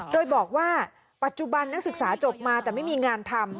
โดยบอกว่าปัจจุบันนักศึกษาจบมาแต่ไม่มีงานทำ